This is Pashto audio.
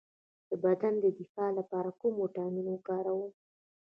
د بدن د دفاع لپاره کوم ویټامین وکاروم؟